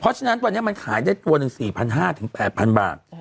เพราะฉะนั้นวันนี้มันขายได้ตัวหนึ่ง๔๕๐๐๘๐๐บาท